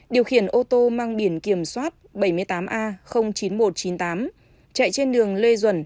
điều khiển ô tô mang biển kiểm soát bảy mươi tám a chín nghìn một trăm chín mươi tám chạy trên đường lê duẩn